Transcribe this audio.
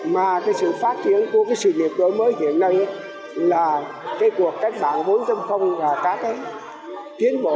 mà cái sự phát triển của cái sự nghiệp mới hiện nay là cái cuộc cách bạn vốn tâm không và các cái tiến bộ